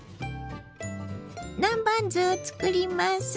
南蛮酢をつくります。